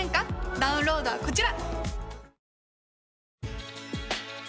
ダウンロードはこちら！